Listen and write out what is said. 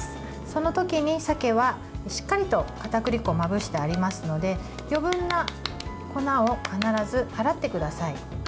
そのときに、さけはしっかりとかたくり粉をまぶしてありますので余分な粉を必ず払ってください。